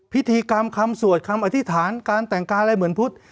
พิธีกรรมคำสวดคำอธิษฐานการแต่งกายอะไรเหมือนพุทธ